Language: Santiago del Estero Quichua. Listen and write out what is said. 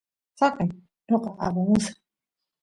saqey noqa apamusaq